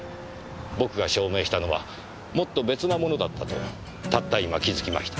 僕が証明したのはもっと別なものだったとたった今気づきました。